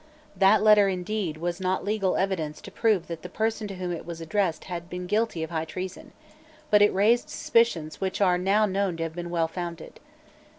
That letter, indeed, was not legal evidence to prove that the person to whom it was addressed had been guilty of high treason; but it raised suspicions which are now known to have been well founded.